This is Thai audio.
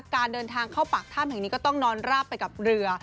การเดินทางเข้าปากถ้ำแห่งนี้ก็ต้องนอนราบไปกับเรือ